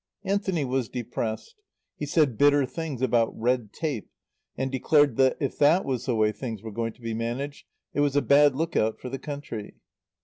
Anthony was depressed. He said bitter things about "red tape," and declared that if that was the way things were going to be managed it was a bad look out for the country.